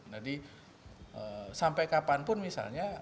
jadi sampai kapanpun misalnya